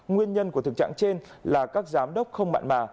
nguyên nhân của thực trạng trên là các giám đốc không mặn mà